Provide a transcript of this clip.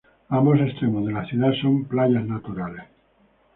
Ambos extremos de la ciudad son playas naturales.